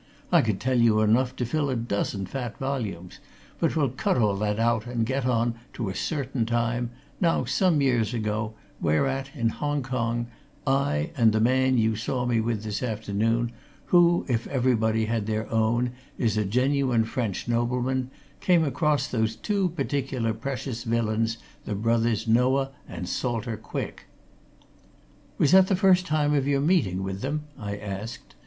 I could tell you enough to fill a dozen fat volumes, but we'll cut all that out and get on to a certain time, now some years ago, whereat, in Hong Kong, I and the man you saw with me this afternoon, who, if everybody had their own, is a genuine French nobleman, came across those two particularly precious villains, the brothers Noah and Salter Quick." "Was that the first time of your meeting with them?" I asked.